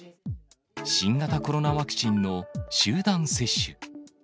新型コロナワクチンの集団接種。